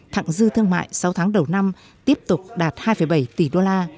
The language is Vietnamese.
thẳng dư thương mại sáu tháng đầu năm tiếp tục đạt hai bảy tỷ usd